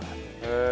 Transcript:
へえ！